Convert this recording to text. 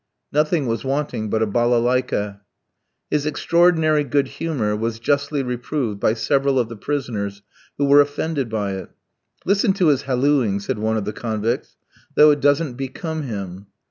Nothing was wanting but a balalaika [the Russian banjo]. His extraordinary good humour was justly reproved by several of the prisoners, who were offended by it. "Listen to his hallooing," said one of the convicts, "though it doesn't become him."